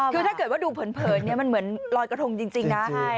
คือถ้าเกิดว่าดูเผินมันเหมือนลอยกระทงจริงนะ